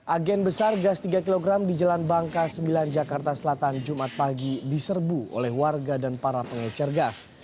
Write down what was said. agen besar gas tiga kg di jalan bangka sembilan jakarta selatan jumat pagi diserbu oleh warga dan para pengecer gas